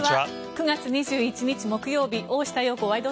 ９月２１日、木曜日「大下容子ワイド！